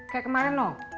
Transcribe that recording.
kayak kemarin loh